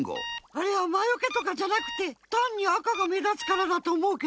あれはまよけとかじゃなくてたんに赤がめだつからだとおもうけど。